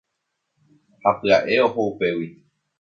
ha pya'e oho upégui